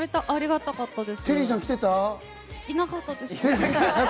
いなかったです。